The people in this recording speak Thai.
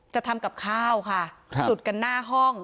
จะทำกับข้าวค่ะจุดกันหน้าห้อง